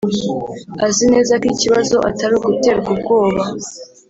azi neza ko ikibazo atari uguterwa ubwoba